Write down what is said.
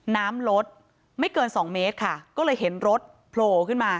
น้ำลดไม่เกินสองเมตรค่ะก็เลยเห็นรถโผล่ขึ้นมา